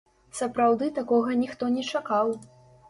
Сапраўды, такога ніхто не чакаў.